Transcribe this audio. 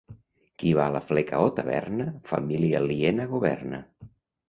Qui va a la fleca o taverna, família aliena governa.